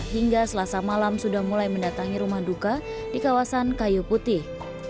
hingga selasa malam sudah mulai mendatangi rumah duka di kawasan kayu putih